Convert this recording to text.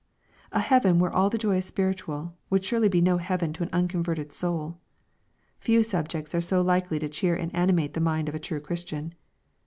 A heaven where all the joy is spiritual, would surely be no heaven to an unconverted soul 1 — ^Few sub jects are so likely to cheer and animate the mind of a true Christian.